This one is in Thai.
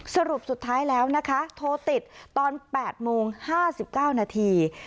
สรุปสุดท้ายแล้วนะคะโทรติดตอนแปดโมงห้าสิบเก้านาที